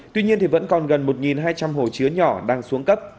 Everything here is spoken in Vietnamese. tuy nhiên thì vẫn còn gần một hai trăm linh hồ chứa nhỏ đang xuống cấp